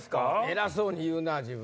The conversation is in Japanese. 偉そうに言うなぁ自分。